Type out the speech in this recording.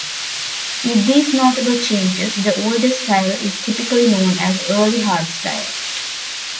With these notable changes, the older style is typically known as "early hardstyle".